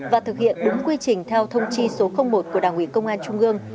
và thực hiện đúng quy trình theo thông chi số một của đảng ủy công an trung ương